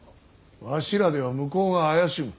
わしらでは向こうが怪しむ。